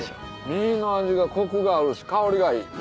身の味がコクがあるし香りがいい。